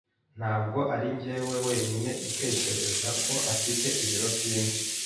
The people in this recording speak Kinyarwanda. Ntabwo arinjye wenyine utekereza ko afite ibiro byinshi.